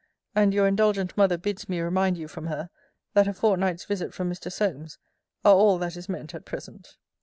And your indulgent mother bids me remind you from her, that a fortnight's visit from Mr. Solmes, are all that is meant at present.